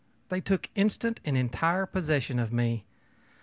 They took instant and entire possession of me.